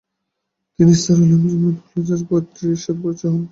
তিনি sir William Matthew Flinders পেত্রির সাথে পরিচয় হন।